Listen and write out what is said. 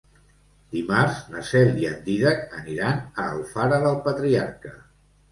Dimarts na Cel i en Dídac aniran a Alfara del Patriarca.